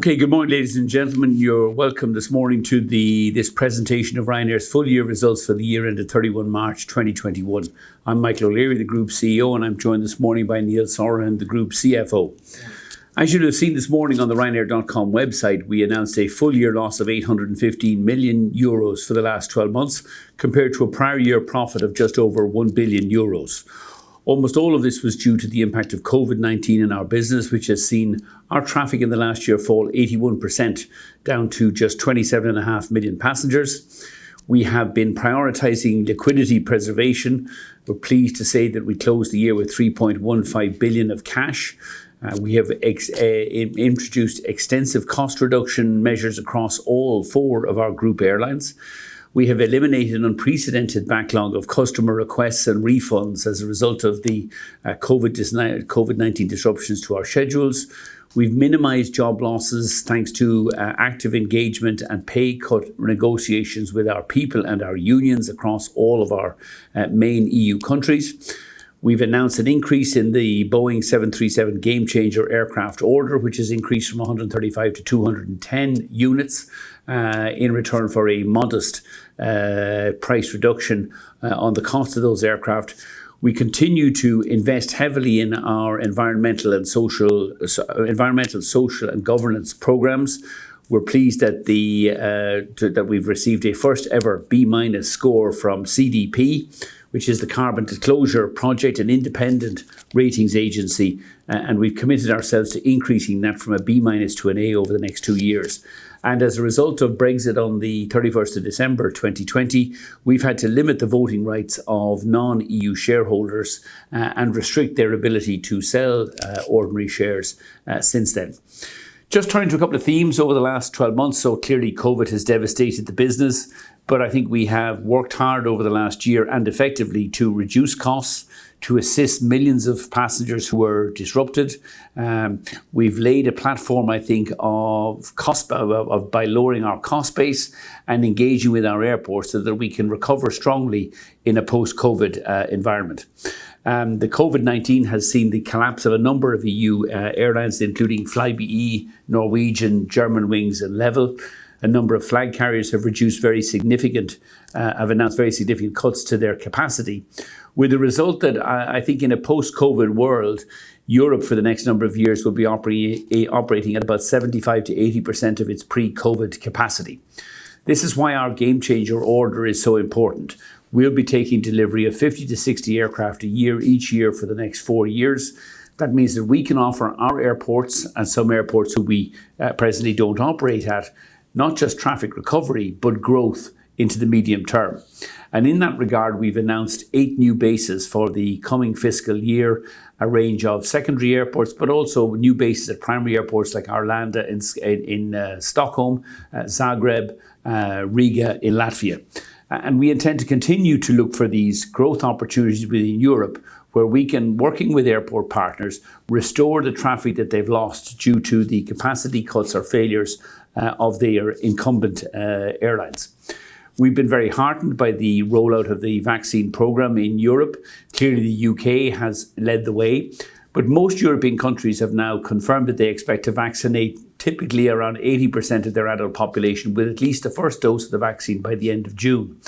Okay. Good morning, ladies and gentlemen. You're welcome this morning to this presentation of Ryanair's full-year results for the year ended 31 March 2021. I'm Michael O'Leary, the Group CEO, and I'm joined this morning by Neil Sorahan, the Group CFO. As you'll have seen this morning on the Ryanair.com website, we announced a full-year loss of 815 million euros for the last 12 months, compared to a prior year profit of just over 1 billion euros. Almost all of this was due to the impact of COVID-19 in our business, which has seen our traffic in the last year fall 81%, down to just 27.5 million passengers. We have been prioritizing liquidity preservation. We're pleased to say that we closed the year with 3.15 billion of cash. We have introduced extensive cost reduction measures across all four of our group airlines. We have eliminated an unprecedented backlog of customer requests and refunds as a result of the COVID-19 disruptions to our schedules. We've minimized job losses thanks to active engagement and pay cut negotiations with our people and our unions across all of our main EU countries. We've announced an increase in the Boeing 737 Gamechanger aircraft order, which has increased from 135 to 210 units, in return for a modest price reduction on the cost of those aircraft. We continue to invest heavily in our environmental, social, and governance programs. We're pleased that we've received a first ever B- score from CDP, which is the Carbon Disclosure Project, an independent ratings agency, and we've committed ourselves to increasing that from a B- to an A over the next two years. As a result of Brexit on the 31st of December 2020, we've had to limit the voting rights of non-EU shareholders, and restrict their ability to sell ordinary shares since then. Just turning to a couple of themes over the last 12 months. Clearly COVID has devastated the business, but I think we have worked hard over the last year and effectively to reduce costs, to assist millions of passengers who were disrupted. We've laid a platform, I think, by lowering our cost base and engaging with our airports so that we can recover strongly in a post-COVID environment. The COVID-19 has seen the collapse of a number of EU airlines, including Flybe, Norwegian, Germanwings, and Level. A number of flag carriers have announced very significant cuts to their capacity, with a result that I think in a post-COVID world, Europe for the next number of years will be operating at about 75%-80% of its pre-COVID capacity. This is why our Gamechanger order is so important. We'll be taking delivery of 50-60 aircraft a year, each year for the next four years. That means that we can offer our airports, and some airports who we presently don't operate at, not just traffic recovery, but growth into the medium term. In that regard, we've announced eight new bases for the coming fiscal year, a range of secondary airports, but also new bases at primary airports like Arlanda in Stockholm, Zagreb, Riga in Latvia. We intend to continue to look for these growth opportunities within Europe where we can, working with airport partners, restore the traffic that they've lost due to the capacity cuts or failures of their incumbent airlines. We've been very heartened by the rollout of the vaccine program in Europe. Clearly, the U.K. has led the way, but most European countries have now confirmed that they expect to vaccinate typically around 80% of their adult population with at least the first dose of the vaccine by the end of June.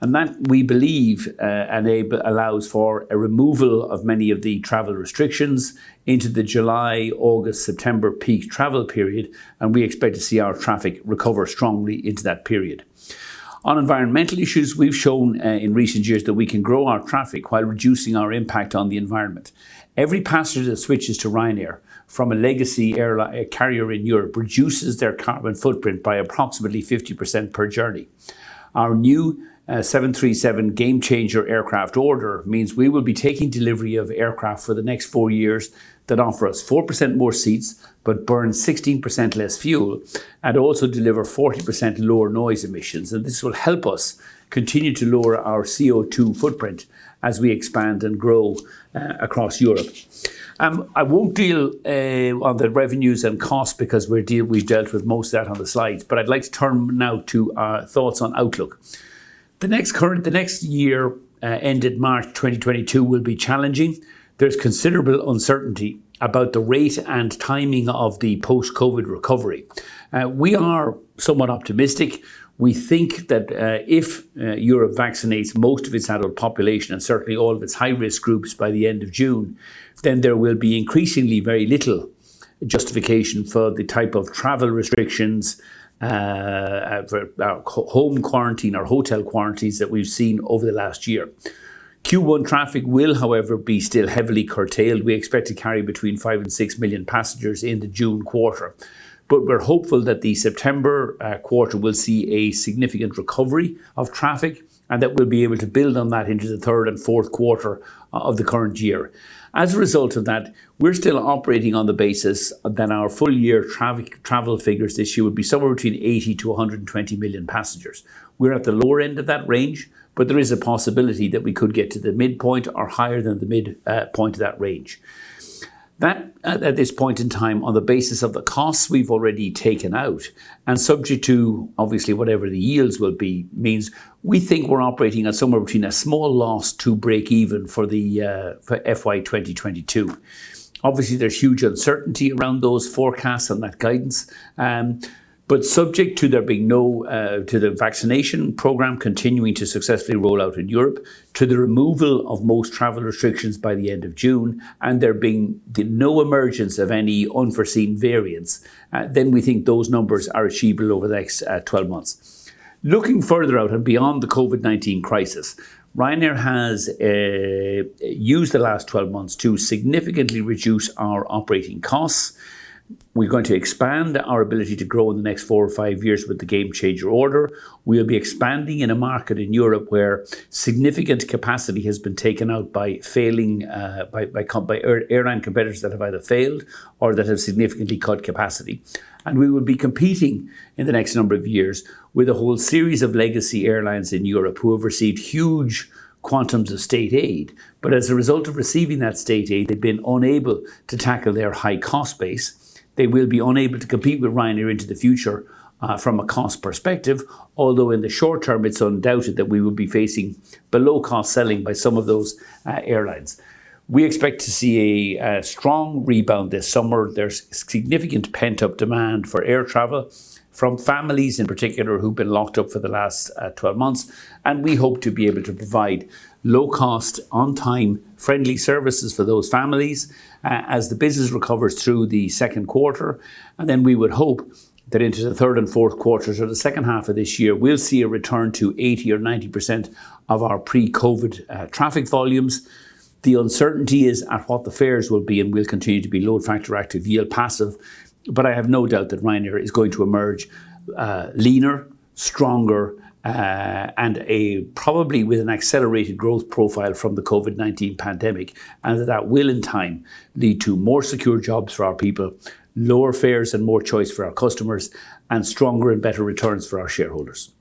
That, we believe, allows for a removal of many of the travel restrictions into the July, August, September peak travel period, and we expect to see our traffic recover strongly into that period. On environmental issues, we've shown in recent years that we can grow our traffic while reducing our impact on the environment. Every passenger that switches to Ryanair from a legacy carrier in Europe reduces their carbon footprint by approximately 50% per journey. Our new 737 Gamechanger aircraft order means we will be taking delivery of aircraft for the next four years that offer us 4% more seats but burn 16% less fuel, also deliver 40% lower noise emissions. This will help us continue to lower our CO2 footprint as we expand and grow across Europe. I won't deal on the revenues and cost because we've dealt with most of that on the slides, I'd like to turn now to our thoughts on outlook. The next year ended March 2022 will be challenging. There's considerable uncertainty about the rate and timing of the post-COVID recovery. We are somewhat optimistic. We think that if Europe vaccinates most of its adult population, and certainly all of its high-risk groups by the end of June, then there will be increasingly very little justification for the type of travel restrictions, home quarantine or hotel quarantines that we've seen over the last year. Q1 traffic will, however, be still heavily curtailed. We expect to carry between five and six million passengers in the June quarter. We're hopeful that the September quarter will see a significant recovery of traffic, and that we'll be able to build on that into the third and fourth quarter of the current year. As a result of that, we're still operating on the basis that our full-year travel figures this year will be somewhere between 80 million-120 million passengers. We're at the lower end of that range, but there is a possibility that we could get to the midpoint or higher than the midpoint of that range. That at this point in time, on the basis of the costs we've already taken out, and subject to obviously whatever the yields will be, means we think we're operating at somewhere between a small loss to breakeven for FY 2022. Obviously, there's huge uncertainty around those forecasts and that guidance. Subject to the vaccination program continuing to successfully roll out in Europe, to the removal of most travel restrictions by the end of June, and there being no emergence of any unforeseen variants, then we think those numbers are achievable over the next 12 months. Looking further out and beyond the COVID-19 crisis, Ryanair has used the last 12 months to significantly reduce our operating costs. We're going to expand our ability to grow in the next four or five years with the Gamechanger order. We'll be expanding in a market in Europe where significant capacity has been taken out by airline competitors that have either failed or that have significantly cut capacity. We will be competing in the next number of years with a whole series of legacy airlines in Europe who have received huge quantums of state aid. As a result of receiving that state aid, they've been unable to tackle their high-cost base. They will be unable to compete with Ryanair into the future from a cost perspective, although in the short term, it's undoubted that we will be facing below-cost selling by some of those airlines. We expect to see a strong rebound this summer. There's significant pent-up demand for air travel from families in particular who've been locked up for the last 12 months. We hope to be able to provide low-cost, on-time, friendly services for those families as the business recovers through the second quarter. We would hope that into the third and fourth quarters of the second half of this year, we'll see a return to 80% or 90% of our pre-COVID traffic volumes. The uncertainty is at what the fares will be, and we'll continue to be load factor active, yield passive. I have no doubt that Ryanair is going to emerge leaner, stronger, and probably with an accelerated growth profile from the COVID-19 pandemic, and that that will in time lead to more secure jobs for our people, lower fares and more choice for our customers, and stronger and better returns for our shareholders.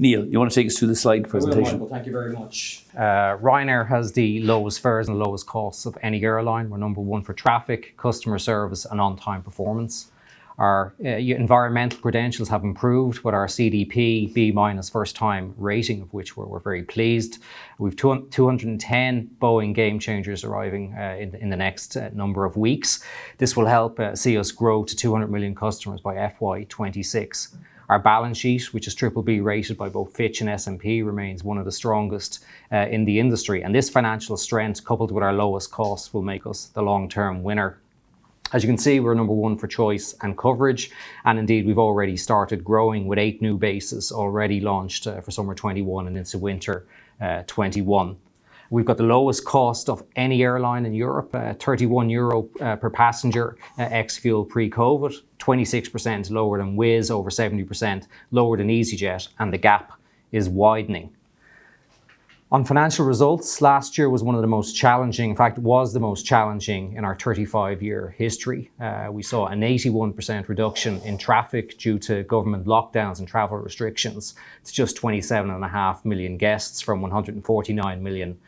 Neil, you want to take us through the slide presentation? Wonderful. Thank you very much. Ryanair has the lowest fares and lowest costs of any airline. We're number one for traffic, customer service, and on-time performance. Our environmental credentials have improved with our CDP B- first-time rating, of which we're very pleased. We've 210 Boeing Gamechangers arriving in the next number of weeks. This will help us see us grow to 200 million customers by FY 2026. Our balance sheet, which is BBB-rated by both Fitch and S&P, remains one of the strongest in the industry. This financial strength, coupled with our lowest cost, will make us the long-term winner. As you can see, we're number one for choice and coverage, and indeed, we've already started growing with eight new bases already launched for summer 2021 and into winter 2021. We've got the lowest cost of any airline in Europe at 31 euro per passenger ex-fuel pre-COVID, 26% lower than Wizz, over 70% lower than easyJet. The gap is widening. On financial results, last year was one of the most challenging. In fact, it was the most challenging in our 35-year history. We saw an 81% reduction in traffic due to government lockdowns and travel restrictions to just 27.5 million guests from 149 million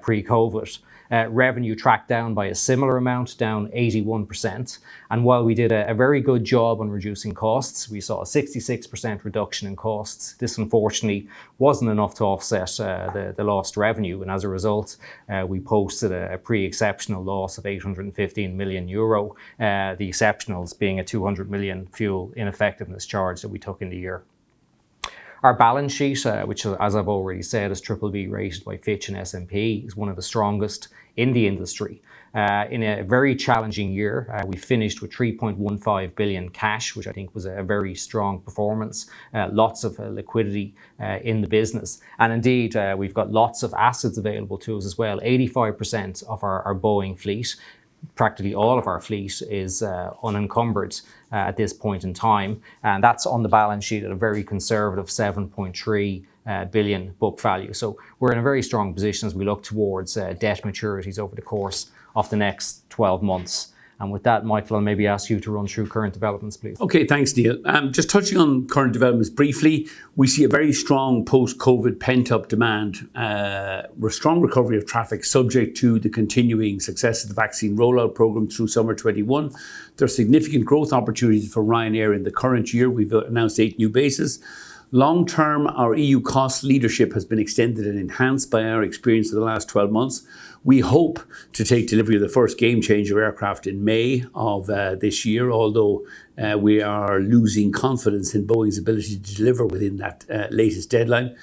pre-COVID. Revenue tracked down by a similar amount, down 81%. While we did a very good job on reducing costs, we saw a 66% reduction in costs. This, unfortunately, wasn't enough to offset the lost revenue. As a result, we posted a pre-exceptional loss of 815 million euro, the exceptionals being a 200 million fuel ineffectiveness charge that we took in the year. Our balance sheet, which as I've already said is BBB-rated by Fitch and S&P, is one of the strongest in the industry. In a very challenging year, we finished with 3.15 billion cash, which I think was a very strong performance. Lots of liquidity in the business. Indeed, we've got lots of assets available to us as well. 85% of our Boeing fleet, practically all of our fleet, is unencumbered at this point in time. That's on the balance sheet at a very conservative 7.3 billion book value. We're in a very strong position as we look towards debt maturities over the course of the next 12 months. With that, Michael, I'll maybe ask you to run through current developments, please. Okay. Thanks, Neil. Just touching on current developments briefly, we see a very strong post-COVID pent-up demand with strong recovery of traffic subject to the continuing success of the vaccine rollout program through summer 2021. There's significant growth opportunities for Ryanair in the current year. We've announced eight new bases. Long-term, our EU cost leadership has been extended and enhanced by our experience in the last 12 months. We hope to take delivery of the first Gamechanger aircraft in May of this year, although we are losing confidence in Boeing's ability to deliver within that latest deadline.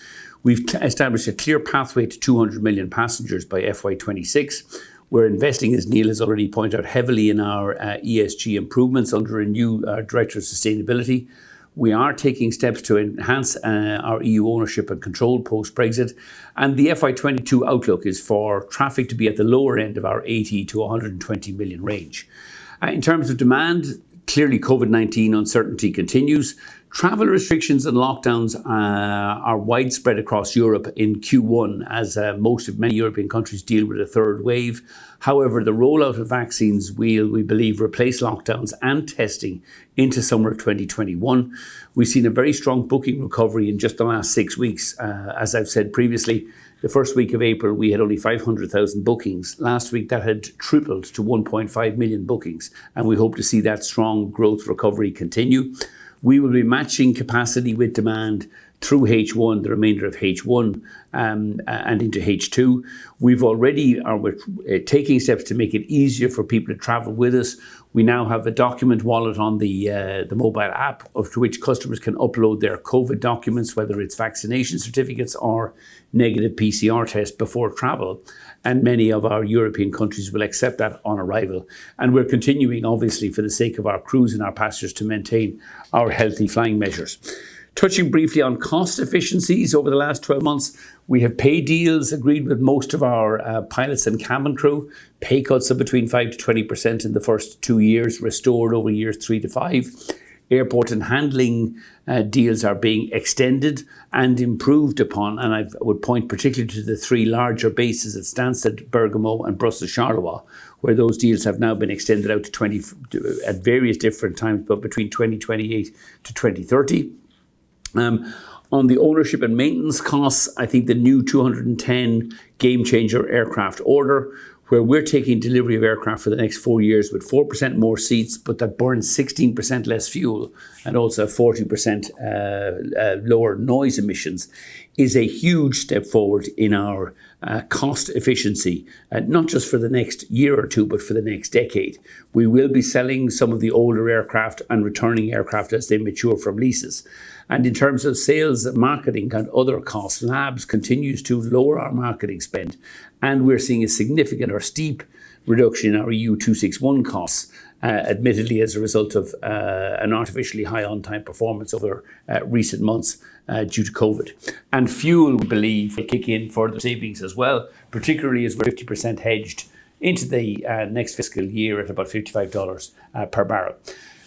We've established a clear pathway to 200 million passengers by FY 2026. We're investing, as Neil has already pointed out, heavily in our ESG improvements under a new director of sustainability. We are taking steps to enhance our EU ownership and control post-Brexit. The FY 2022 outlook is for traffic to be at the lower end of our 80 million-120 million range. In terms of demand, clearly COVID-19 uncertainty continues. Travel restrictions and lockdowns are widespread across Europe in Q1 as many European countries deal with a third wave. The rollout of vaccines will, we believe, replace lockdowns and testing into summer 2021. We've seen a very strong booking recovery in just the last six weeks. As I've said previously, the first week of April, we had only 500,000 bookings. Last week, that had tripled to 1.5 million bookings. We hope to see that strong growth recovery continue. We will be matching capacity with demand through H1, the remainder of H1, and into H2. We've already are taking steps to make it easier for people to travel with us. We now have a document wallet on the mobile app of which customers can upload their COVID documents, whether it's vaccination certificates or negative PCR tests before travel, and many of our European countries will accept that on arrival. We're continuing, obviously, for the sake of our crews and our passengers, to maintain our healthy flying measures. Touching briefly on cost efficiencies over the last 12 months, we have pay deals agreed with most of our pilots and cabin crew. Pay cuts of between 5%-20% in the first two years, restored over years three to five. Airport and handling deals are being extended and improved upon, and I would point particularly to the three larger bases at Stansted, Bergamo and Brussels Charleroi, where those deals have now been extended out at various different times, but between 2028-2030. On the ownership and maintenance costs, I think the new 210 Gamechanger aircraft order, where we're taking delivery of aircraft for the next four years with 4% more seats, but that burns 16% less fuel and also 40% lower noise emissions, is a huge step forward in our cost efficiency. Not just for the next year or two, but for the next decade. We will be selling some of the older aircraft and returning aircraft as they mature from leases. In terms of sales, marketing, and other costs, Ryanair Labs continues to lower our marketing spend, and we're seeing a significant or steep reduction in our EU 261 costs, admittedly as a result of an artificially high on-time performance over recent months due to COVID. Fuel, we believe, will kick in for the savings as well, particularly as we're 50% hedged into the next fiscal year at about $55 per bbl.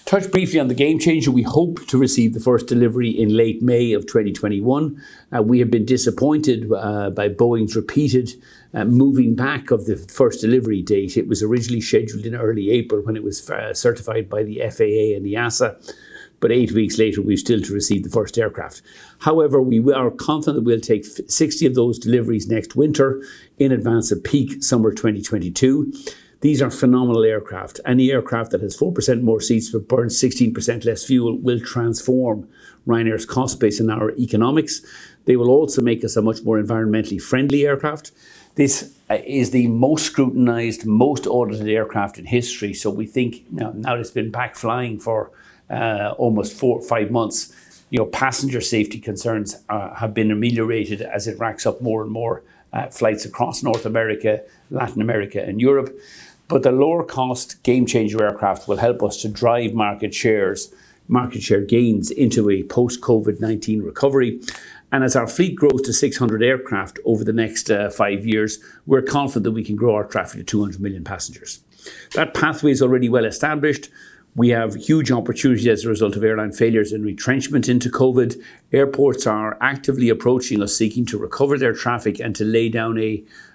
Touch briefly on the Gamechanger. We hope to receive the first delivery in late May of 2021. We have been disappointed by Boeing's repeated moving back of the first delivery date. It was originally scheduled in early April when it was certified by the FAA and the EASA, but eight weeks later, we're still to receive the first aircraft. We are confident that we'll take 60 of those deliveries next winter in advance of peak summer 2022. These are phenomenal aircraft, the aircraft that has 4% more seats but burns 16% less fuel will transform Ryanair's cost base and our economics. They will also make us a much more environmentally friendly aircraft. This is the most scrutinized, most audited aircraft in history. We think now that it's been back flying for almost four to five months, your passenger safety concerns have been ameliorated as it racks up more and more flights across North America, Latin America, and Europe. The lower-cost Gamechanger aircraft will help us to drive market share gains into a post-COVID-19 recovery. As our fleet grows to 600 aircraft over the next five years, we're confident that we can grow our traffic to 200 million passengers. That pathway is already well established. We have huge opportunities as a result of airline failures and retrenchment into COVID. Airports are actively approaching us, seeking to recover their traffic and to lay down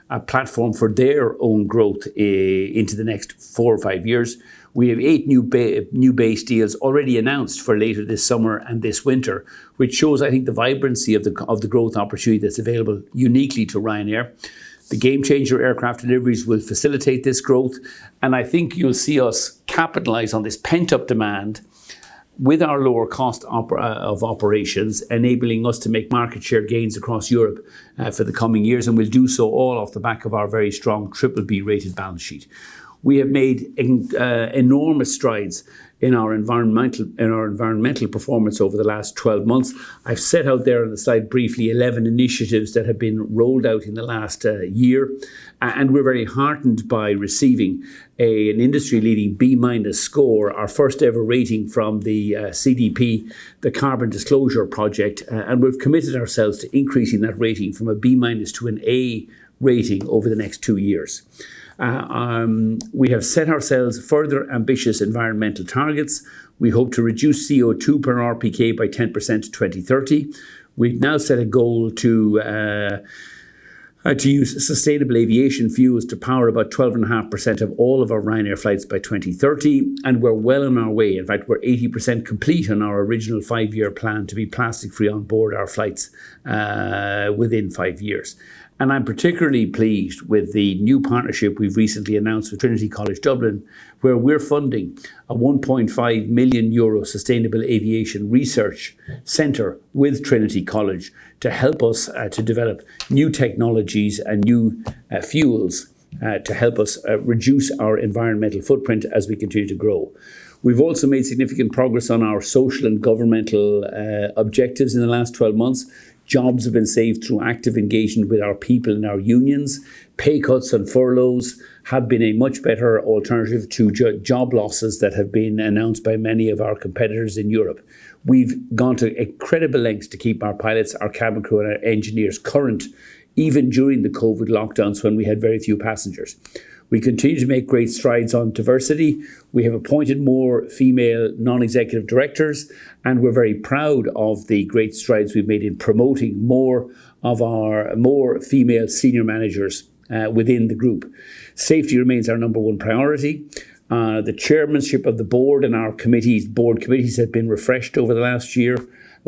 a platform for their own growth into the next four or five years. We have eight new base deals already announced for later this summer and this winter, which shows, I think, the vibrancy of the growth opportunity that's available uniquely to Ryanair. The Gamechanger aircraft deliveries will facilitate this growth, and I think you'll see us capitalize on this pent-up demand with our lower cost of operations, enabling us to make market share gains across Europe for the coming years, and we'll do so all off the back of our very strong BBB-rated balance sheet. We have made enormous strides in our environmental performance over the last 12 months. I've set out there on the slide briefly 11 initiatives that have been rolled out in the last year, and we're very heartened by receiving an industry-leading B- score, our first-ever rating from the CDP, the Carbon Disclosure Project, and we've committed ourselves to increasing that rating from a B- to an A rating over the next two years. We have set ourselves further ambitious environmental targets. We hope to reduce CO2 per RPK by 10% to 2030. We've now set a goal to use sustainable aviation fuels to power about 12.5% of all of our Ryanair flights by 2030, and we're well on our way. In fact, we're 80% complete on our original five-year plan to be plastic-free on board our flights within five years. I'm particularly pleased with the new partnership we've recently announced with Trinity College Dublin, where we're funding a 1.5 million euro sustainable aviation research center with Trinity College to help us to develop new technologies and new fuels to help us reduce our environmental footprint as we continue to grow. We've also made significant progress on our social and governmental objectives in the last 12 months. Jobs have been saved through active engagement with our people and our unions. Pay cuts and furloughs have been a much better alternative to job losses that have been announced by many of our competitors in Europe. We've gone to incredible lengths to keep our pilots, our cabin crew, and our engineers current, even during the COVID lockdowns when we had very few passengers. We continue to make great strides on diversity. We have appointed more female non-executive directors, and we're very proud of the great strides we've made in promoting more female senior managers within the group. Safety remains our number one priority. The chairmanship of the board and our committees, board committees, have been refreshed over the last year.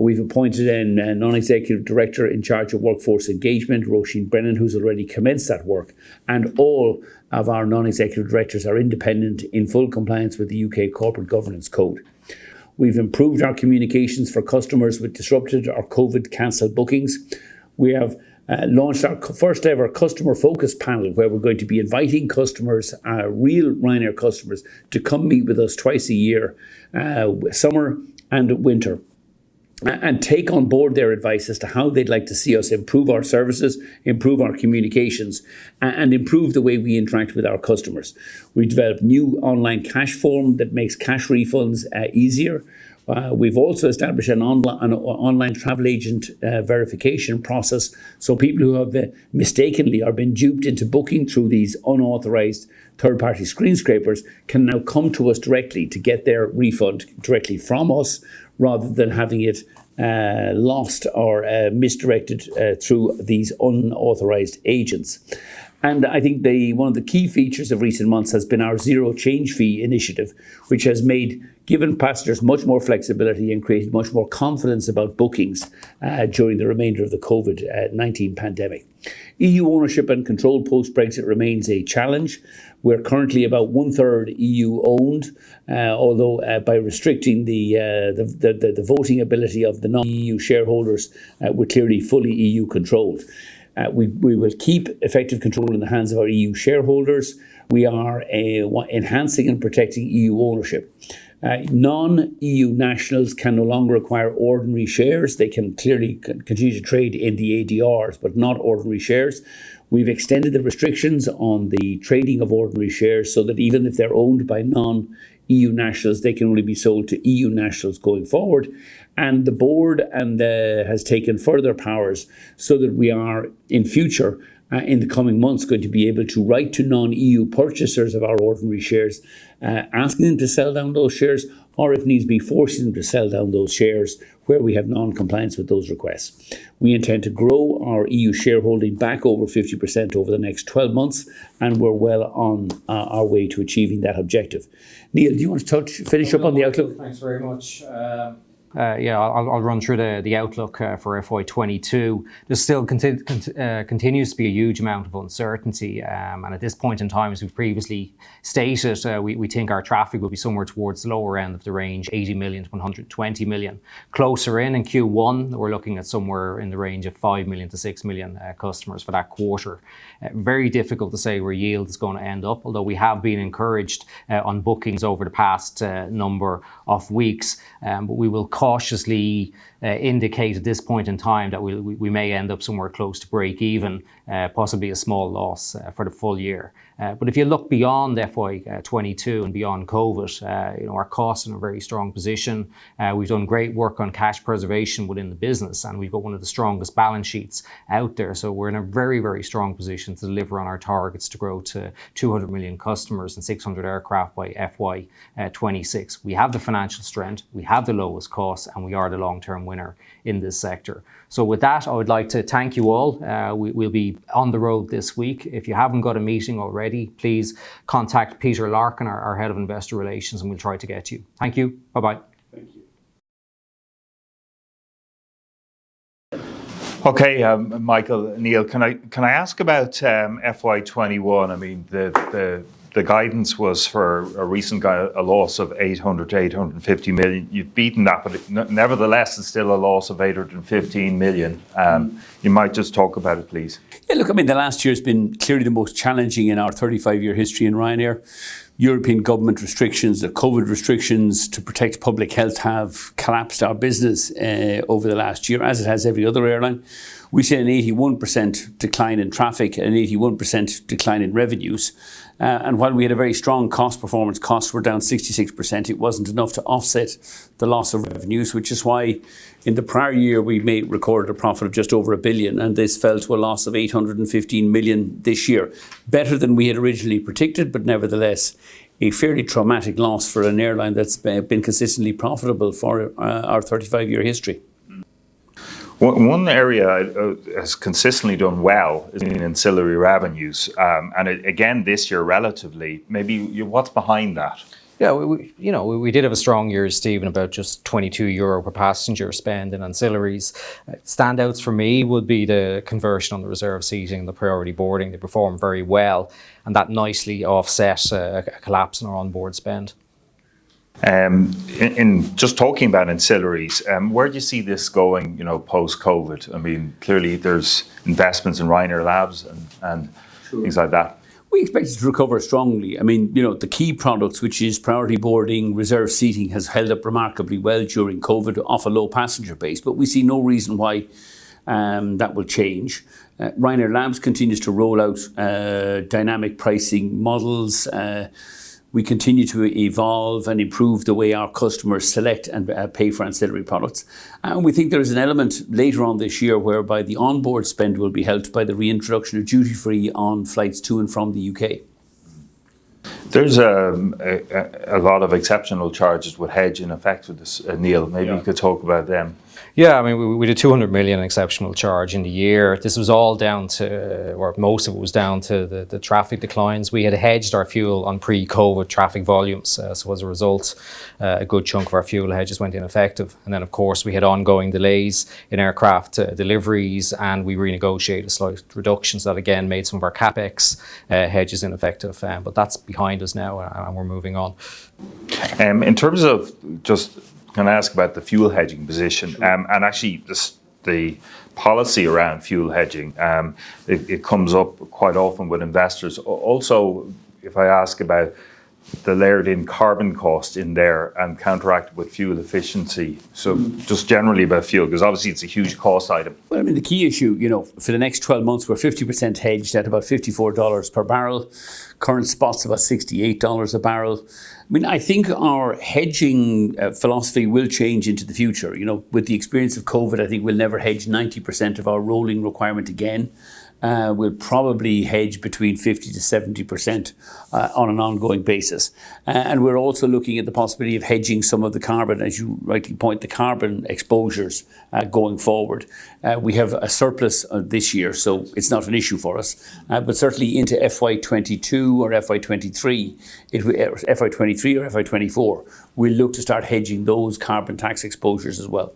We've appointed a non-executive director in charge of workforce engagement, Róisín Brennan, who's already commenced that work. All of our non-executive directors are independent, in full compliance with the U.K. Corporate Governance Code. We've improved our communications for customers with disrupted or COVID-canceled bookings. We have launched our first-ever customer focus panel where we're going to be inviting customers, real Ryanair customers, to come meet with us twice a year, summer and winter. Take on board their advice as to how they'd like to see us improve our services, improve our communications, and improve the way we interact with our customers. We developed a new online cash form that makes cash refunds easier. We've also established an online travel agent verification process, so people who have mistakenly been duped into booking through these unauthorized third-party screen scrapers can now come to us directly to get their refund directly from us rather than having it lost or misdirected through these unauthorized agents. I think one of the key features of recent months has been our zero change fee initiative, which has given passengers much more flexibility and created much more confidence about bookings during the remainder of the COVID-19 pandemic. EU ownership and control post-Brexit remains a challenge. We're currently about 1/3 EU-owned, although by restricting the voting ability of the non-EU shareholders, we're clearly fully EU-controlled. We will keep effective control in the hands of our EU shareholders. We are enhancing and protecting EU ownership. Non-EU nationals can no longer acquire ordinary shares. They can clearly continue to trade in the ADRs, but not ordinary shares. We've extended the restrictions on the trading of ordinary shares so that even if they're owned by non-EU nationals, they can only be sold to EU nationals going forward. The board has taken further powers so that we are, in future, in the coming months, going to be able to write to non-EU purchasers of our ordinary shares, asking them to sell down those shares, or if needs be, forcing them to sell down those shares where we have non-compliance with those requests. We intend to grow our EU shareholding back over 50% over the next 12 months, and we're well on our way to achieving that objective. Neil, do you want to finish up on the outlook? Thanks very much. Yeah, I'll run through the outlook for FY 2022. There still continues to be a huge amount of uncertainty. At this point in time, as we've previously stated, we think our traffic will be somewhere towards the lower end of the range, 80 million-120 million. Closer in in Q1, we're looking at somewhere in the range of 5 million-6 million customers for that quarter. Very difficult to say where yield's going to end up, although we have been encouraged on bookings over the past number of weeks. We will cautiously indicate at this point in time that we may end up somewhere close to break even, possibly a small loss for the full-year. If you look beyond FY 2022 and beyond COVID, our costs are in a very strong position. We've done great work on cash preservation within the business, and we've got one of the strongest balance sheets out there. We're in a very strong position to deliver on our targets to grow to 200 million customers and 600 aircraft by FY 2026. We have the financial strength, we have the lowest cost, and we are the long-term winner in this sector. With that, I would like to thank you all. We'll be on the road this week. If you haven't got a meeting already, please contact Peter Larkin, our Head of Investor Relations, and we'll try to get you. Thank you. Bye-bye. Okay. Michael, Neil, can I ask about FY 2021? The guidance was for a recent loss of 800 million-850 million. You've beaten that, but nevertheless, it's still a loss of 815 million. You might just talk about it, please. Look, the last year has been clearly the most challenging in our 35-year history in Ryanair. European government restrictions, the COVID restrictions to protect public health have collapsed our business over the last year, as it has every other airline. We've seen an 81% decline in traffic, an 81% decline in revenues. While we had a very strong cost performance, costs were down 66%, it wasn't enough to offset the loss of revenues. Which is why in the prior year, we recorded a profit of just over 1 billion, and this fell to a loss of 815 million this year. Better than we had originally predicted, nevertheless, a fairly traumatic loss for an airline that's been consistently profitable for our 35-year history. One area that has consistently done well is in ancillary revenues. Again, this year, relatively. Maybe what's behind that? Yeah. We did have a strong year, Stephen, about just 22 euro per passenger spend in ancillaries. Standouts for me would be the conversion on reserve seating and the priority boarding. They performed very well, and that nicely offset a collapse in our onboard spend. Just talking about ancillaries, where do you see this going post-COVID? Clearly there's investments in Ryanair Labs and things like that. We expect it to recover strongly. The key products, which is priority boarding, reserve seating, has held up remarkably well during COVID off a low passenger base, but we see no reason why that would change. Ryanair Labs continues to roll out dynamic pricing models. We continue to evolve and improve the way our customers select and pay for ancillary products. We think there's an element later on this year whereby the onboard spend will be helped by the reintroduction of duty-free on flights to and from the U.K. There's a lot of exceptional charges with hedge ineffective, Neil. Yeah. Maybe you could talk about them. We did 200 million exceptional charge in the year. This was all down to, or most of it was down to the traffic declines. We had hedged our fuel on pre-COVID traffic volumes. As a result, a good chunk of our fuel hedges went ineffective. Of course, we had ongoing delays in aircraft deliveries, and we renegotiated slight reductions that again made some of our CapEx hedges ineffective. That's behind us now, and we're moving on. Can I ask about the fuel hedging position? Sure. Actually, the policy around fuel hedging. It comes up quite often with investors. If I ask about the layered-in carbon cost in there and counteract with fuel efficiency. Just generally about fuel, because obviously it's a huge cost item. Well, the key issue for the next 12 months, we're 50% hedged at about $54 per bbl. Current spot's about $68 a bbl. I think our hedging philosophy will change into the future. With the experience of COVID, I think we'll never hedge 90% of our rolling requirement again. We'll probably hedge between 50%-70% on an ongoing basis. We're also looking at the possibility of hedging some of the carbon, as you rightly point, the carbon exposures going forward. We have a surplus this year, it's not an issue for us. Certainly into FY 2022 or FY 2023 or FY 2024, we'll look to start hedging those carbon tax exposures as well.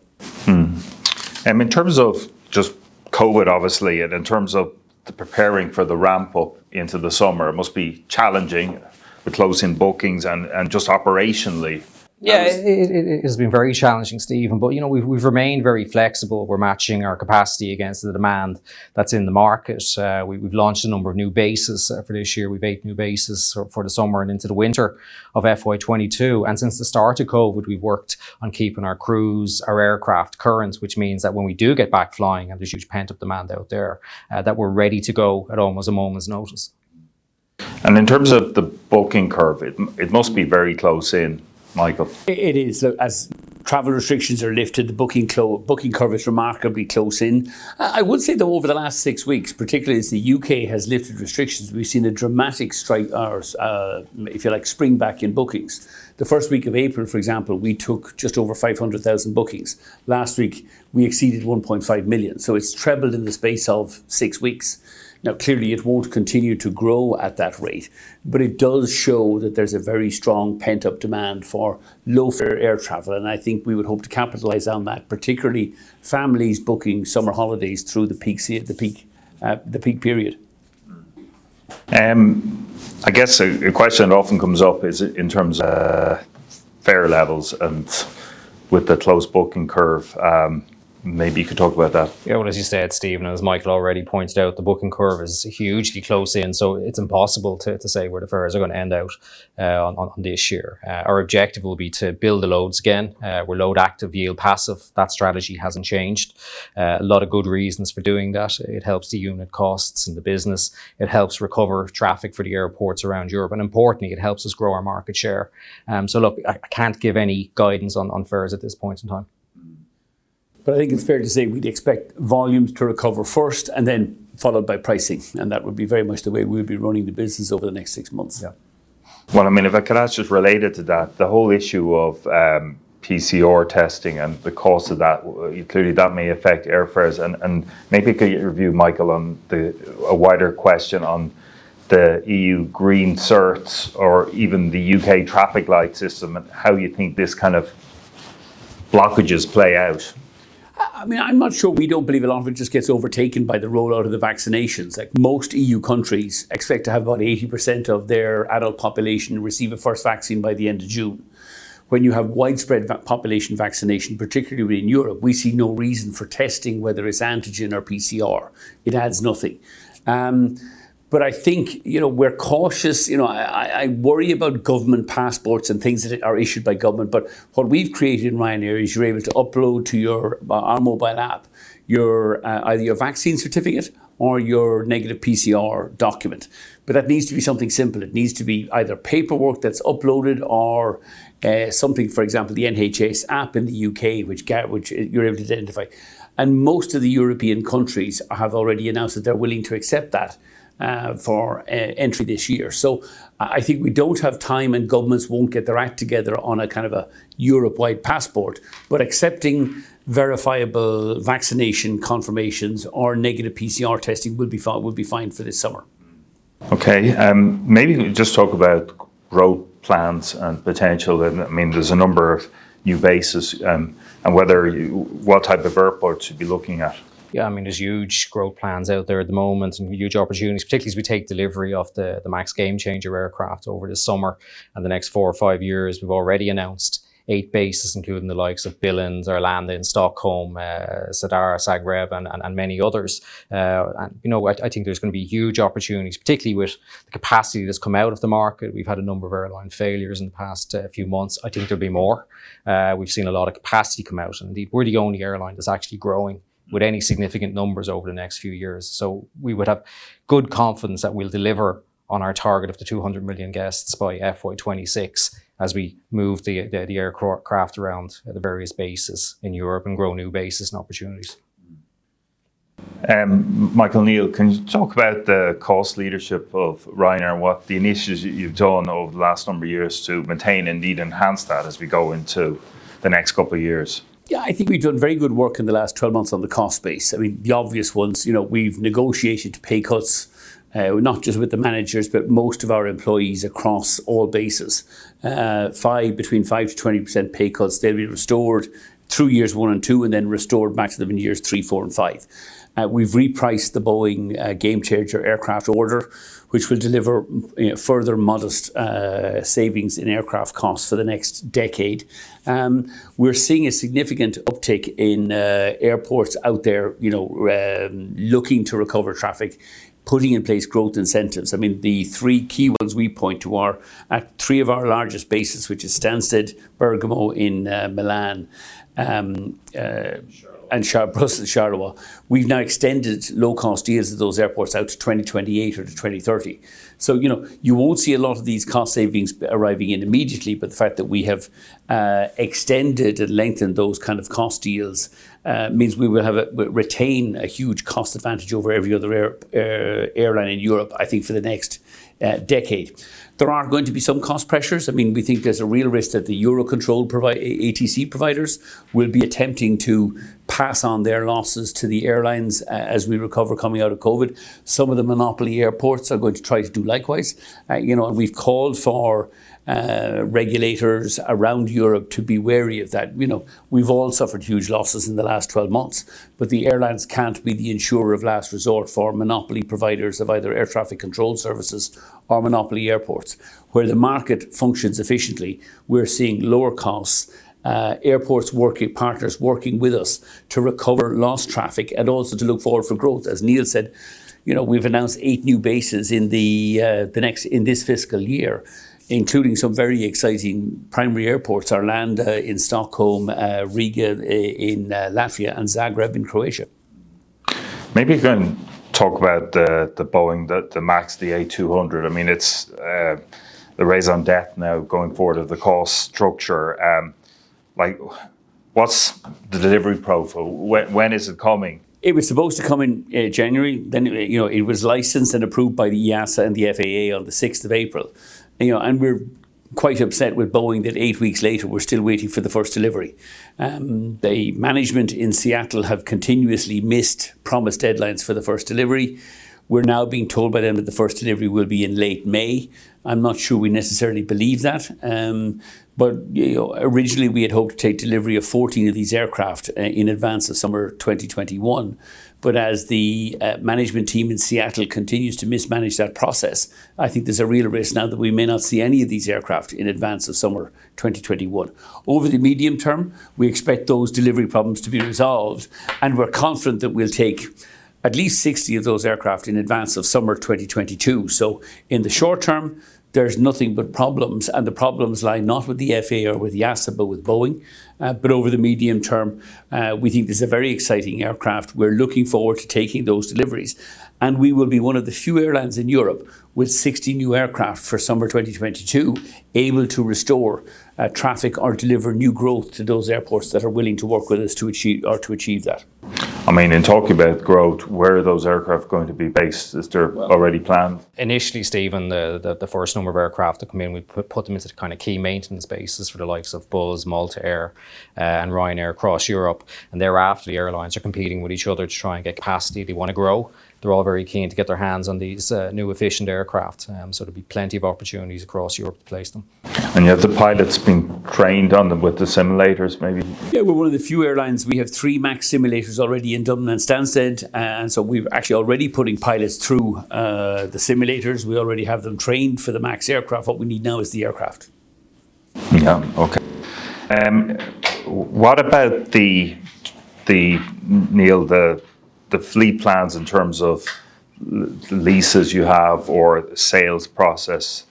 In terms of just COVID, obviously, and in terms of the preparing for the ramp-up into the summer, it must be challenging with close-in bookings and just operationally. It has been very challenging, Stephen. We've remained very flexible. We're matching our capacity against the demand that's in the market. We've launched a number of new bases for this year. We've eight new bases for the summer and into the winter of FY 2022. Since the start of COVID, we've worked on keeping our crews, our aircraft current, which means that when we do get back flying, and there's huge pent-up demand out there, that we're ready to go at almost a moment's notice. In terms of the booking curve, it must be very close in, Michael. It is. As travel restrictions are lifted, the booking curve is remarkably close in. I would say, though, over the last six weeks, particularly as the U.K. has lifted restrictions, we've seen a dramatic strike or, if you like, spring back in bookings. The first week of April, for example, we took just over 500,000 bookings. Last week, we exceeded 1.5 million. It's trebled in the space of six weeks. Now, clearly, it won't continue to grow at that rate. It does show that there's a very strong pent-up demand for low-fare air travel, and I think we would hope to capitalize on that, particularly families booking summer holidays through the peak period. I guess a question that often comes up is in terms of fare levels and with the close booking curve. Maybe you could talk about that? Well, as you said, Stephen, as Michael already pointed out, the booking curve is hugely close in, so it's impossible to say where the fares are going to end out on this year. Our objective will be to build the loads again. We're load active, yield passive. That strategy hasn't changed. A lot of good reasons for doing that. It helps the unit costs and the business. It helps recover traffic for the airports around Europe. Importantly, it helps us grow our market share. Look, I can't give any guidance on fares at this point in time. I think it's fair to say we'd expect volumes to recover first and then followed by pricing, and that would be very much the way we'll be running the business over the next six months. Well, if I could ask just related to that, the whole issue of PCR testing and the cost of that. Clearly, that may affect airfares. Maybe could you review, Michael, on a wider question on the EU green certs or even the U.K. traffic light system and how you think these kind of blockages play out. I'm not sure. We don't believe it often just gets overtaken by the rollout of the vaccinations. Most EU countries expect to have about 80% of their adult population receive a first vaccine by the end of June. When you have widespread population vaccination, particularly in Europe, we see no reason for testing, whether it's antigen or PCR. It adds nothing. I think we're cautious. I worry about government passports and things that are issued by government. What we've created in Ryanair is you're able to upload to our mobile app either your vaccine certificate or your negative PCR document. That needs to be something simple. It needs to be either paperwork that's uploaded or something, for example, the NHS app in the U.K., which you're able to identify. Most of the European countries have already announced that they're willing to accept that for entry this year. I think we don't have time, and governments won't get their act together on a kind of a Europe-wide passport. Accepting verifiable vaccination confirmations or negative PCR testing will be fine for this summer. Okay. Maybe just talk about growth plans and potential. There is a number of new bases and what type of airports you would be looking at. Yeah. There's huge growth plans out there at the moment and huge opportunities, particularly as we take delivery of the MAX Gamechanger aircraft over the summer and the next four or five years. We've already announced eight bases, including the likes of Billund, Arlanda, and Stockholm, Zadar, Zagreb, and many others. I think there's going to be huge opportunities, particularly with the capacity that's come out of the market. We've had a number of airline failures in the past few months. I think there'll be more. We've seen a lot of capacity come out, and we're the only airline that's actually growing with any significant numbers over the next few years. So we would have good confidence that we'll deliver on our target of the 200 million guests by FY 2026 as we move the aircraft around the various bases in Europe and grow new bases and opportunities. Michael, can you talk about the cost leadership of Ryanair and what the initiatives that you've done over the last number of years to maintain and indeed enhance that as we go into the next couple of years? Yeah, I think we've done very good work in the last 12 months on the cost base. The obvious ones, we've negotiated pay cuts, not just with the managers, but most of our employees across all bases. Between 5%-20% pay cuts. They'll be restored through years one and two, and then restored back to them in years three, four, and five. We've repriced the Boeing Gamechanger aircraft order, which will deliver further modest savings in aircraft costs for the next decade. We're seeing a significant uptick in airports out there looking to recover traffic, putting in place growth incentives. The three key ones we point to are at three of our largest bases, which is Stansted, Bergamo in Milan. Charleroi. Plus Charleroi. We've now extended low-cost deals at those airports out to 2028 or to 2030. You won't see a lot of these cost savings arriving in immediately, but the fact that we have extended and lengthened those kind of cost deals means we will retain a huge cost advantage over every other airline in Europe, I think for the next decade. There are going to be some cost pressures. We think there's a real risk that the Eurocontrol ATC providers will be attempting to pass on their losses to the airlines as we recover coming out of COVID. Some of the monopoly airports are going to try to do likewise. We've called for regulators around Europe to be wary of that. We've all suffered huge losses in the last 12 months, but the airlines can't be the insurer of last resort for monopoly providers of either air traffic control services or monopoly airports. Where the market functions efficiently, we're seeing lower costs, airport partners working with us to recover lost traffic and also to look forward for growth. As Neil said, we've announced eight new bases in this fiscal year, including some very exciting primary airports, Arlanda in Stockholm, Riga in Latvia, and Zagreb in Croatia. Maybe you can talk about the Boeing, the MAX, the 737-8200. It's the raison d'être now going forward of the cost structure. What's the delivery profile? When is it coming? It was supposed to come in January. It was licensed and approved by the EASA and the FAA on the 6th of April. We're quite upset with Boeing that eight weeks later, we're still waiting for the first delivery. The management in Seattle have continuously missed promised deadlines for the first delivery. We're now being told by them that the first delivery will be in late May. I'm not sure we necessarily believe that. Originally, we had hoped to take delivery of 14 of these aircraft in advance of summer 2021. As the management team in Seattle continues to mismanage that process, I think there's a real risk now that we may not see any of these aircraft in advance of summer 2021. Over the medium term, we expect those delivery problems to be resolved, and we're confident that we'll take at least 60 of those aircraft in advance of summer 2022. In the short term, there's nothing but problems, and the problems lie not with the FAA or with the EASA, but with Boeing. Over the medium term, we think it's a very exciting aircraft. We're looking forward to taking those deliveries. We will be one of the few airlines in Europe with 60 new aircraft for summer 2022 able to restore traffic or deliver new growth to those airports that are willing to work with us to achieve that. Talking about growth, where are those aircraft going to be based? Is there already planned? Initially, Stephen, the first number of aircraft that come in, we put them into key maintenance bases for the likes of Buzz, Malta Air, and Ryanair across Europe. Thereafter, the airlines are competing with each other to try and get capacity. They want to grow. They're all very keen to get their hands on these new efficient aircraft, there'll be plenty of opportunities across Europe to place them. Have the pilots been trained on them with the simulators maybe? Yeah, we're one of the few airlines. We have three MAX simulators already in Dublin and Stansted. We're actually already putting pilots through the simulators. We already have them trained for the MAX aircraft. What we need now is the aircraft. Yeah. Okay. What about, Neil, the fleet plans in terms of leases you have or sales process?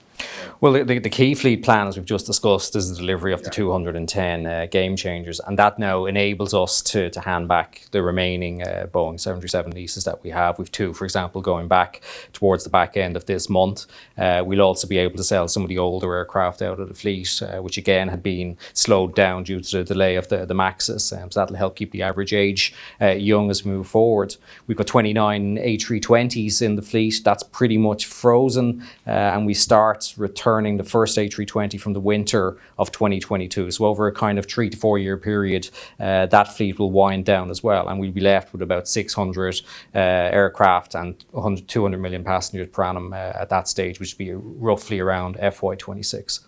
The key fleet plans we've just discussed is the delivery of the 210 Gamechangers, and that now enables us to hand back the remaining Boeing 737 leases that we have. We've two, for example, going back towards the back end of this month. We'll also be able to sell some of the older aircraft out of the fleet, which again, had been slowed down due to the delay of the MAXs. That'll help keep the average age young as we move forward. We've got 29 A320s in the fleet. That's pretty much frozen. We start returning the first A320 from the winter of 2022. Over a three to four-year period, that fleet will wind down as well, and we'll be left with about 600 aircraft and 100 million-200 million passenger per annum at that stage, which will be roughly around FY 2026.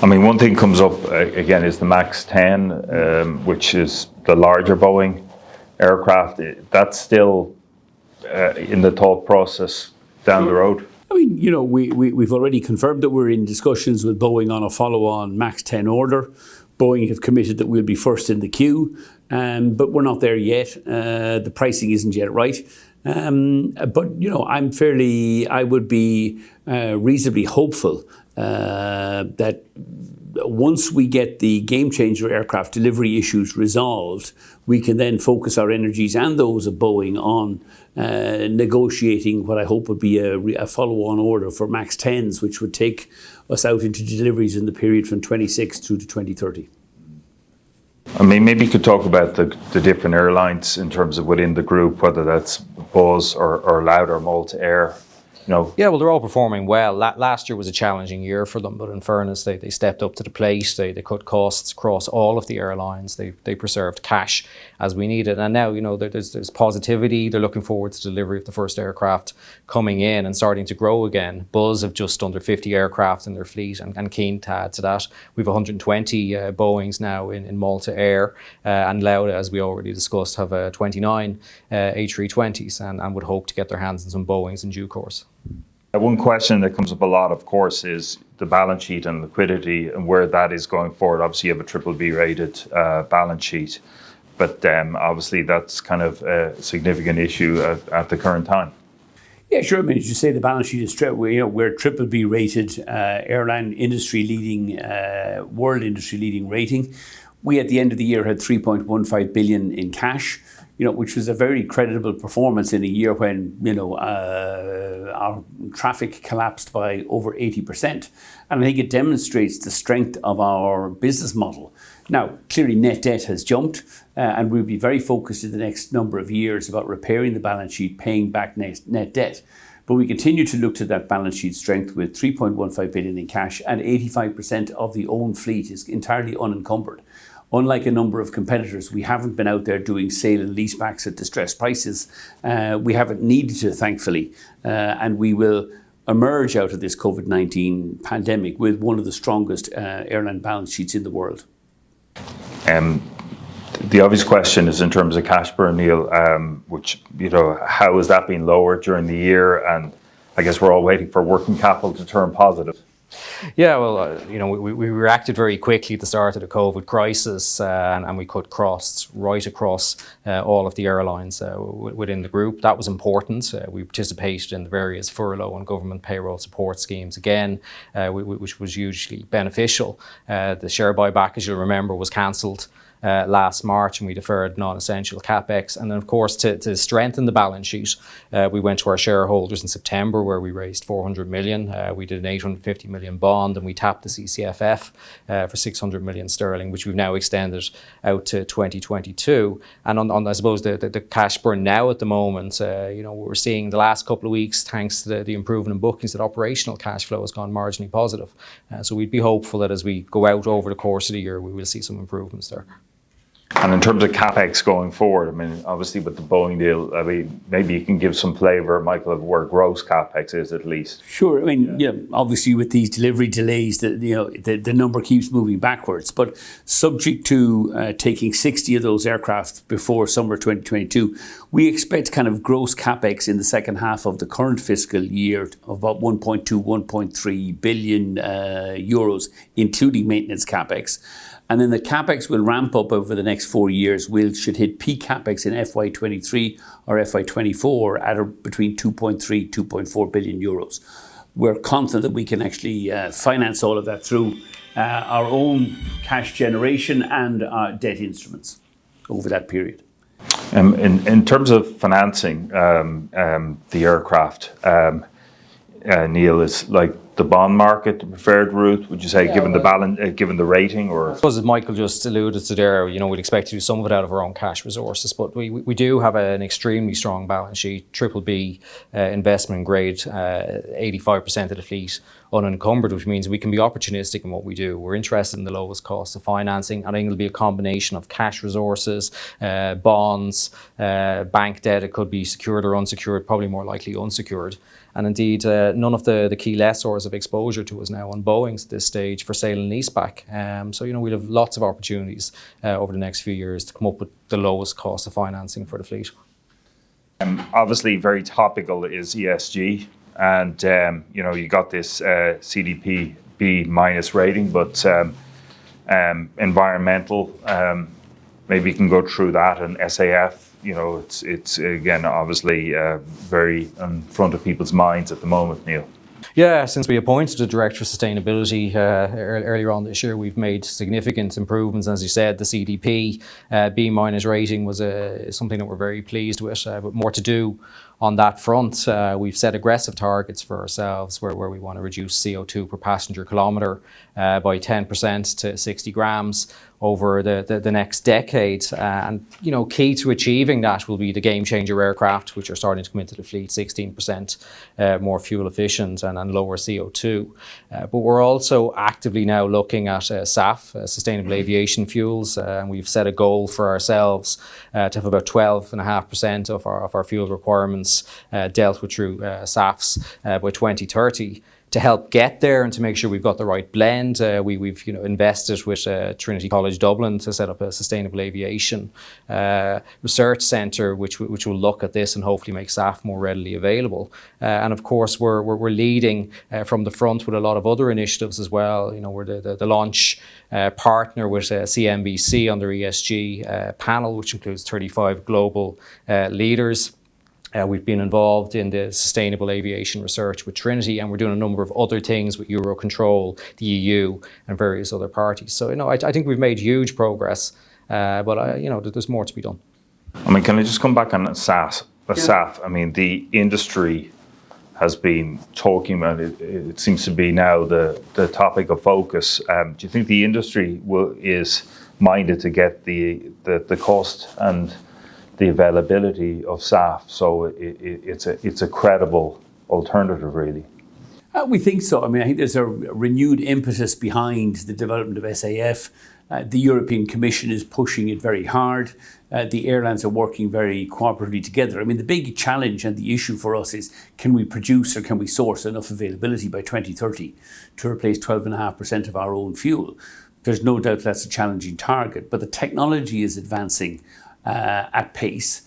One thing comes up again is the MAX 10, which is the larger Boeing aircraft. That's still in the talk process down the road? We've already confirmed that we're in discussions with Boeing on a follow-on MAX 10 order. Boeing have committed that we'll be first in the queue. We're not there yet. The pricing isn't yet right. I would be reasonably hopeful that once we get the Gamechanger aircraft delivery issues resolved, we can then focus our energies and those of Boeing on negotiating what I hope would be a follow-on order for MAX 10s, which would take us out into deliveries in the period from 2026 through to 2030. Maybe you could talk about the different airlines in terms of within the group, whether that's Buzz or Lauda or Malta Air. Well, they're all performing well. Last year was a challenging year for them, but in fairness, they stepped up to the plate. They cut costs across all of the airlines. They preserved cash as we need it. Now, there's positivity. They're looking forward to delivery of the first aircraft coming in and starting to grow again. Buzz have just under 50 aircraft in their fleet and keen to add to that. We have 120 Boeings now in Malta Air, and Lauda, as we already discussed, have 29 A320s and would hope to get their hands on some Boeings in due course. One question that comes up a lot, of course, is the balance sheet and liquidity and where that is going forward. Obviously, you have a BBB-rated balance sheet. Obviously that's a significant issue at the current time. Yeah, sure, mate. As you say, the balance sheet is straight away we're a BBB-rated airline, world industry-leading rating. We, at the end of the year, had 3.15 billion in cash which was a very credible performance in a year when our traffic collapsed by over 80%. I think it demonstrates the strength of our business model. Now, clearly, net debt has jumped, and we'll be very focused in the next number of years about repairing the balance sheet, paying back net debt. But we continue to look to that balance sheet strength with 3.15 billion in cash and 85% of the own fleet is entirely unencumbered. Unlike a number of competitors, we haven't been out there doing sale and lease backs at distressed prices. We haven't needed to, thankfully, and we will emerge out of this COVID-19 pandemic with one of the strongest airline balance sheets in the world. The obvious question is in terms of cash burn, Neil, which how has that been lowered during the year? I guess we're all waiting for working capital to turn positive. Yeah, well, we reacted very quickly at the start of the COVID crisis, and we cut costs right across all of the airlines within the group. That was important. We participated in the various furlough and government payroll support schemes, again which was hugely beneficial. The share buyback, as you remember, was canceled last March, and we deferred non-essential CapEx. Of course, to strengthen the balance sheet, we went to our shareholders in September where we raised 400 million. We did an 850 million bond, and we tapped the CCFF for 600 million sterling, which we've now extended out to 2022. I suppose the cash burn now at the moment, we're seeing the last couple of weeks, thanks to the improvement in bookings, that operational cash flow has gone marginally positive. We'd be hopeful that as we go out over the course of the year, we will see some improvements there. In terms of CapEx going forward, obviously with the Boeing deal, maybe you can give some flavor, Michael, of where gross CapEx is at least. Sure. Obviously, with these delivery delays, the number keeps moving backwards. Subject to taking 60 of those aircraft before summer 2022, we expect kind of gross CapEx in the second half of the current fiscal year of about 1.2 billion-1.3 billion euros, including maintenance CapEx. The CapEx will ramp up over the next four years, we should hit peak CapEx in FY 2023 or FY 2024 at between 2.3 billion-2.4 billion euros. We're confident that we can actually finance all of that through our own cash generation and debt instruments over that period. In terms of financing the aircraft, Neil, is like the bond market the preferred route would you say given the rating or? As Michael just alluded to there, we expect to do some of it out of our own cash resources, but we do have an extremely strong balance sheet, BBB investment grade, 85% of the fleet unencumbered, which means we can be opportunistic in what we do. We're interested in the lowest cost of financing. I think it'll be a combination of cash resources, bonds, bank debt. It could be secured or unsecured, probably more likely unsecured. Indeed, none of the key lessors have exposure to us now on Boeings at this stage for sale and lease back. We have lots of opportunities over the next few years to come up with the lowest cost of financing for the fleet. Obviously, very topical is ESG. You got this CDP B- rating. Environmental, maybe you can go through that and SAF. It's again, obviously very in front of people's minds at the moment, Neil. Since we appointed a director of sustainability earlier on this year, we've made significant improvements. As you said, the CDP B- rating was something that we're very pleased with, more to do on that front. We've set aggressive targets for ourselves where we want to reduce CO2 per passenger kilometer by 10% to 60 g over the next decade. Key to achieving that will be the Gamechanger aircraft, which we're starting to come into the fleet, 16% more fuel efficient and lower CO2. We're also actively now looking at SAF, sustainable aviation fuels. We've set a goal for ourselves to have about 12.5% of our fuel requirements dealt with through SAFs by 2030. To help get there and to make sure we've got the right blend, we've invested with Trinity College Dublin to set up a sustainable aviation research center, which will look at this and hopefully make SAF more readily available. Of course, we're leading from the front with a lot of other initiatives as well. We're the launch partner with CNBC on their ESG panel, which includes 35 global leaders. We've been involved in the sustainable aviation research with Trinity, and we're doing a number of other things with Eurocontrol, the EU and various other parties. I think we've made huge progress, but there's more to be done. Can I just come back on SAF? I mean, the industry. Has been talking about it seems to be now the topic of focus. Do you think the industry is minded to get the cost and the availability of SAF so it's a credible alternative really? We think so. I think there's a renewed emphasis behind the development of SAF. The European Commission is pushing it very hard. The airlines are working very cooperatively together. The big challenge and the issue for us is can we produce or can we source enough availability by 2030 to replace 12.5% of our own fuel? There's no doubt that's a challenging target, but the technology is advancing at pace.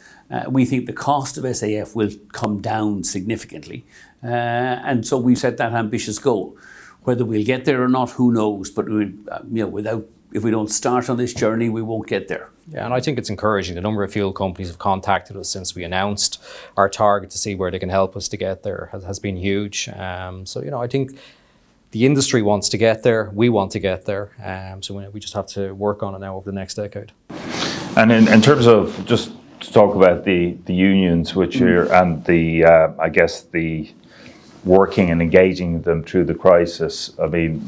We think the cost of SAF will come down significantly, and so we've set that ambitious goal. Whether we get there or not, who knows, but if we don't start on this journey, we won't get there. I think it's encouraging. A number of fuel companies have contacted us since we announced our target to see where they can help us to get there, has been huge. I think the industry wants to get there. We want to get there. We just have to work on it now over the next decade. In terms of, just to talk about the unions, which are, and I guess the working and engaging with them through the crisis. I think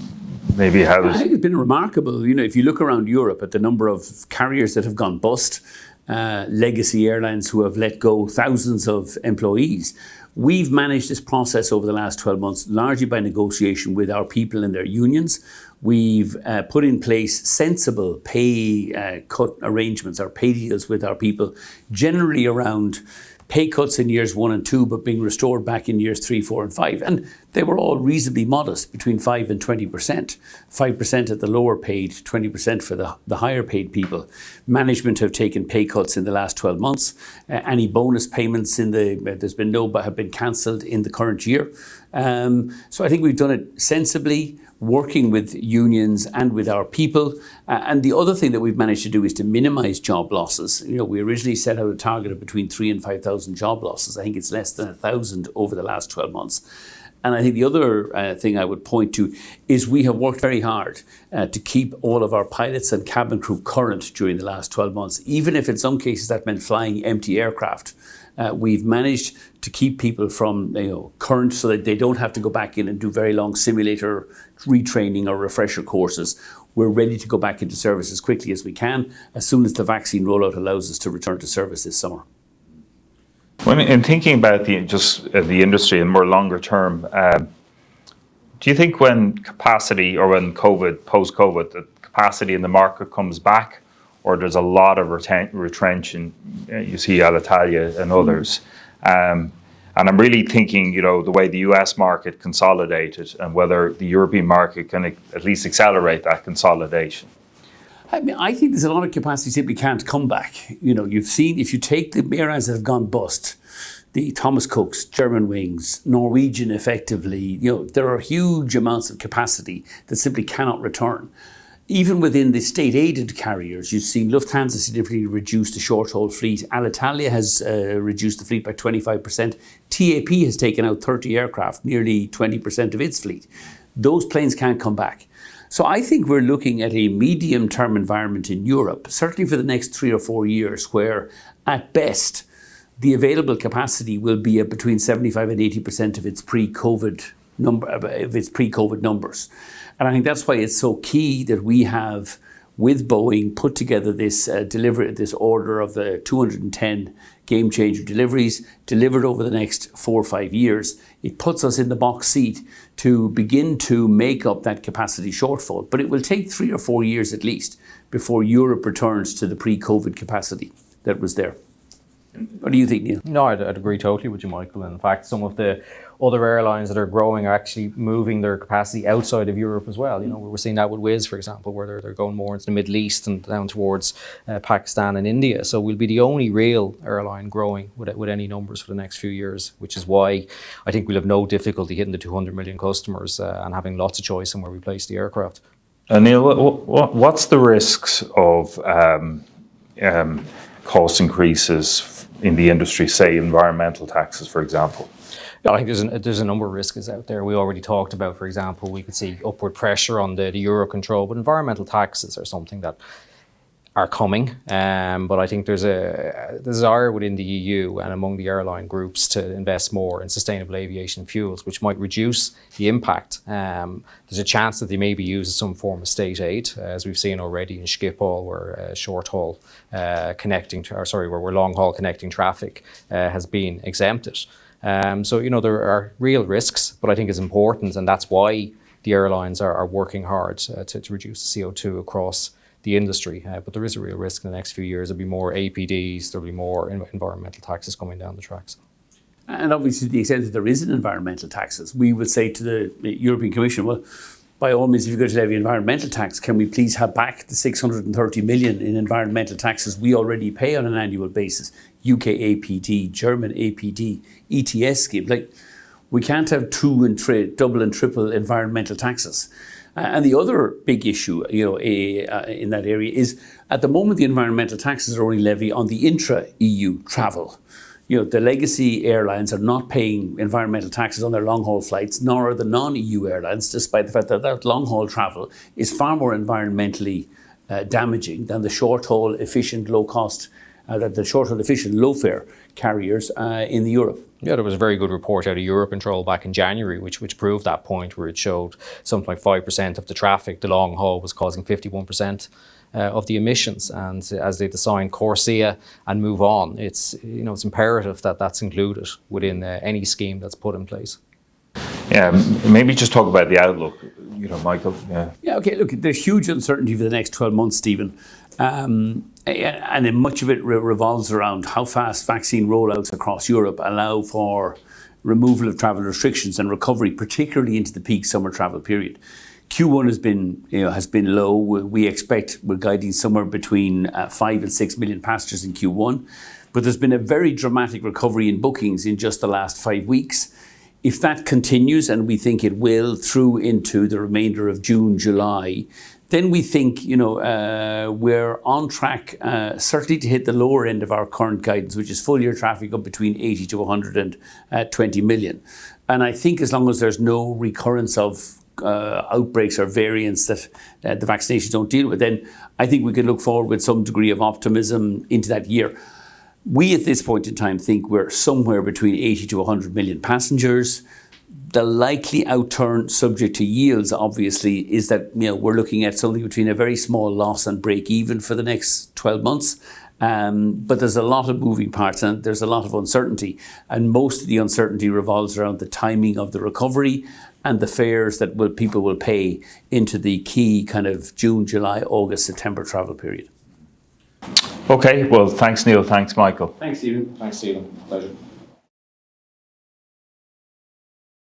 it's been remarkable. If you look around Europe at the number of carriers that have gone bust, legacy airlines who have let go thousands of employees, we've managed this process over the last 12 months, largely by negotiation with our people and their unions. We've put in place sensible pay cut arrangements or pay deals with our people, generally around pay cuts in years one and two, but being restored back in years three, four, and five. And they were all reasonably modest, between 5% and 20%, 5% at the lower paid, 20% for the higher paid people. Management have taken pay cuts in the last 12 months. Any bonus payments there's been no, but have been canceled in the current year. I think we've done it sensibly, working with unions and with our people, and the other thing that we've managed to do is to minimize job losses. We originally set out a target of between 3,000 and 5,000 job losses. I think it's less than 1,000 over the last 12 months. I think the other thing I would point to is we have worked very hard to keep all of our pilots and cabin crew current during the last 12 months, even if in some cases that meant flying empty aircraft. We've managed to keep people from current, so that they don't have to go back in and do very long simulator retraining or refresher courses. We're ready to go back into service as quickly as we can, as soon as the vaccine rollout allows us to return to service this summer. In thinking about just the industry in more longer term, do you think when capacity or when post-COVID, the capacity in the market comes back or there's a lot of retrenching, you see Alitalia and others. I'm really thinking the way the U.S. market consolidated and whether the European market can at least accelerate that consolidation. I think there's a lot of capacity simply can't come back. You've seen if you take the airlines that have gone bust, the Thomas Cook, Germanwings, Norwegian, effectively, there are huge amounts of capacity that simply cannot return. Even within the state-aided carriers, you've seen Lufthansa significantly reduce the short-haul fleet. Alitalia has reduced the fleet by 25%. TAP has taken out 30 aircraft, nearly 20% of its fleet. Those planes can't come back. I think we're looking at a medium-term environment in Europe, certainly for the next three or four years, where at best the available capacity will be at between 75% and 80% of its pre-COVID numbers. I think that's why it's so key that we have, with Boeing, put together this delivery, this order of the 210 Gamechanger deliveries delivered over the next four or five years. It puts us in the box seat to begin to make up that capacity shortfall, but it will take three or four years at least before Europe returns to the pre-COVID capacity that was there. What do you think? No, I'd agree totally with you, Michael. In fact, some of the other airlines that are growing are actually moving their capacity outside of Europe as well. We're seeing that with Wizz, for example, where they're going more into the Middle East and down towards Pakistan and India. We'll be the only real airline growing with any numbers for the next few years, which is why I think we'll have no difficulty hitting the 200 million customers and having lots of choice on where we place the aircraft. Neil, what's the risks of cost increases in the industry, say environmental taxes, for example? I think there's a number of risks out there. We already talked about, for example, we could see upward pressure on the Eurocontrol, but environmental taxes are something that are coming. I think there's a desire within the EU and among the airline groups to invest more in sustainable aviation fuels, which might reduce the impact. There's a chance that they may be used as some form of state aid, as we've seen already in Schiphol, where long-haul connecting traffic has been exempted. There are real risks, but I think it's important, and that's why the airlines are working hard to reduce CO2 across the industry. There is a real risk in the next few years. There'll be more APDs. There'll be more environmental taxes coming down the tracks. Obviously, to the extent that there isn't environmental taxes, we would say to the European Commission, "Well, by all means, you're going to have environmental tax. Can we please have back the 630 million in environmental taxes we already pay on an annual basis?" U.K. APD, German APD, ETS scheme. We can't have double and triple environmental taxes. The other big issue in that area is at the moment, the environmental taxes are only levied on the intra-EU travel. The legacy airlines are not paying environmental taxes on their long-haul flights, nor are the non-EU airlines, despite the fact that that long-haul travel is far more environmentally damaging than the short-haul, efficient low-fare carriers in Europe. There was a very good report out of Eurocontrol back in January, which proved that point, where it showed 7.5% of the traffic, the long-haul, was causing 51% of the emissions. As they design CORSIA and move on, it's imperative that that's included within any scheme that's put in place. Maybe just talk about the outlook. Michael? Yeah. Okay. Look, there's huge uncertainty in the next 12 months, Stephen, and much of it revolves around how fast vaccine rollouts across Europe allow for removal of travel restrictions and recovery, particularly into the peak summer travel period. Q1 has been low. We're guiding somewhere between five and six million passengers in Q1, but there's been a very dramatic recovery in bookings in just the last five weeks. If that continues, and we think it will through into the remainder of June, July, then we think we're on track certainly to hit the lower end of our current guidance, which is full-year traffic up between 80 million-120 million. I think as long as there's no recurrence of outbreaks or variants that the vaccinations don't deal with, then I think we can look forward with some degree of optimism into that year. We, at this point in time, think we're somewhere between 80 million-100 million passengers. The likely outturn subject to yields, obviously, is that we're looking at something between a very small loss and break even for the next 12 months. There's a lot of moving parts and there's a lot of uncertainty, and most of the uncertainty revolves around the timing of the recovery and the fares that people will pay into the key June, July, August, September travel period. Okay. Well, thanks, Neil. Thanks, Michael. Thanks, Stephen. Pleasure.